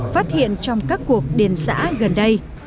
phát hiện trong các cuộc điền xã gần đây